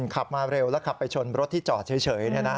ขับมาเร็วแล้วขับไปชนรถที่จอดเฉย